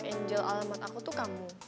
angel allmat aku tuh kamu